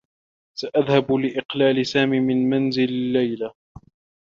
سأذهب لإقلال سامي من منزل ليلى.